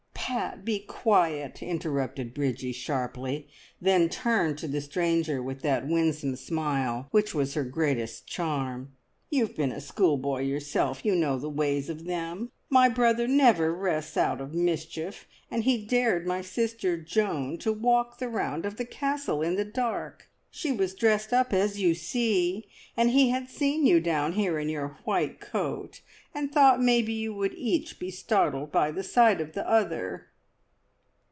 "Pat, be quiet!" interrupted Bridgie sharply, then turned to the stranger with that winsome smile which was her greatest charm. "You've been a schoolboy yourself, and know the ways of them. My brother never rests out of mischief, and he dared my sister Joan to walk the round of the Castle in the dark. She was dressed up as you see, and he had seen you down here in your white coat, and thought maybe you would each be startled by the sight of the other."